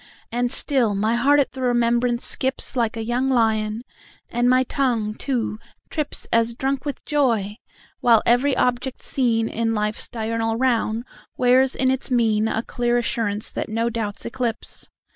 And still my heart at the remembrance skipsLike a young lion, and my tongue too tripsAs drunk with joy! while every object seenIn life's diurnal round wears in its mienA clear assurance that no doubts eclipse.